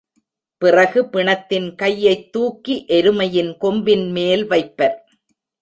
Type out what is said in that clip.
பிறகு பிணத்தின் கையைத் தூக்கி எருமையின் கொம்பின்மேல் வைப்பர்.